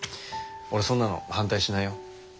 俺そんなの反対しないよ。